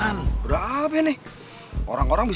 ada apa kang wanyi